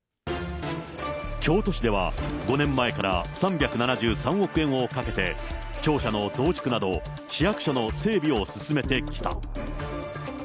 京都市では、５年前から３７３億円をかけて、庁舎の増築など市役所の整備を進めてきた。